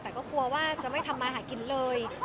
แต่ก็กลัวว่าจะไม่ทำมาหากินเลย